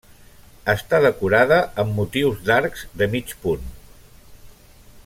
Està decorada amb motius d'arcs de mig punt.